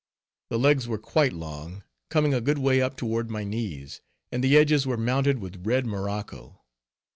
The legs were quite long, coming a good way up toward my knees, and the edges were mounted with red morocco.